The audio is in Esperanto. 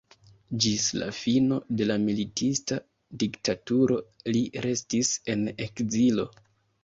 Ĝis la fino de la militista diktaturo li restis en ekzilo.